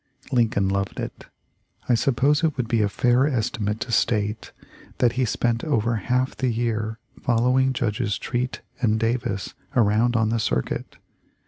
Lincoln loved it. I suppose it would be a fair estimate to state that he spent over half the year following Judges Treat and Davis around on the circuit.